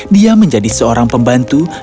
dia menjadi seorang pembantu dan seorang pembantu